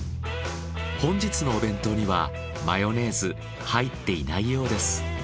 本日のお弁当にはマヨネーズ入っていないようです。